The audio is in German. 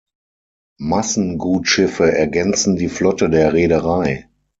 Massengutschiffe ergänzen die Flotte der Reederei.